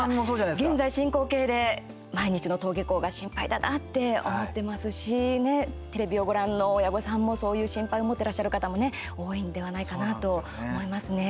現在進行形で毎日の登下校が心配だなって思ってますしテレビをご覧の親御さんもそういう心配を持ってらっしゃる方も多いんではないかなと思いますね。